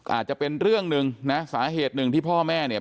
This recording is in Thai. อาจจะเป็นเรื่องหนึ่งนะสาเหตุหนึ่งที่พ่อแม่เนี่ย